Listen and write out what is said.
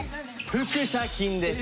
腹斜筋です！